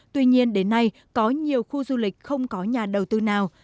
tuy nhiên đến nay có nhiều khu du lịch không có nhà đầu tư nào